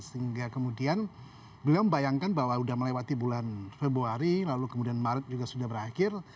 sehingga kemudian beliau membayangkan bahwa sudah melewati bulan februari lalu kemudian maret juga sudah berakhir